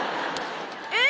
え？